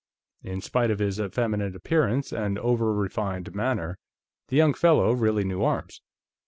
In spite of his effeminate appearance and over refined manner, the young fellow really knew arms.